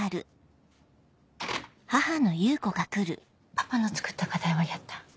パパの作った課題はやった？